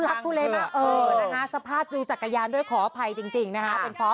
รักทุเลมากสภาษณ์อยู่จากกระยานด้วยขออภัยจริงนะฮะ